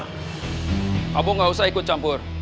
kamu gak usah ikut campur